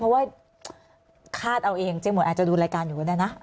เพราะว่าคาดเอาเองเจ๊หมวยอาจจะดูรายการอยู่ก็ได้นะ